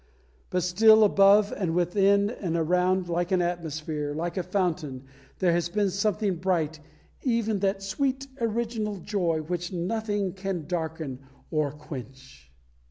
But still, above and within, and around, like an atmosphere, like a fountain, there has been something bright, even that "sweet original joy" which nothing can darken or quench.